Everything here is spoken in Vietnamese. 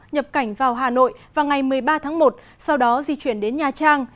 nhập cảnh vào hà nội vào ngày một mươi ba tháng một sau đó di chuyển đến nha trang